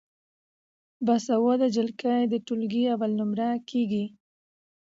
باسواده نجونې د ټولګي اول نمره کیږي.